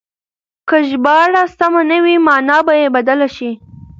که ژباړه سمه نه وي مانا به يې بدله شي.